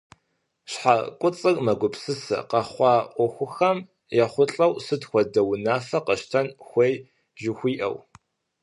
Щхьэ куцӀыр мэгупсысэ, къэхъуа Ӏуэхухэм ехъулӀэу сыт хуэдэ унафэ къэщтэн хуей жыхуиӀэу.